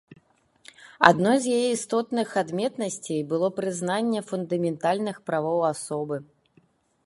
Адной з яе істотных адметнасцей было прызнанне фундаментальных правоў асобы.